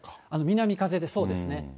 南風で、そうですね。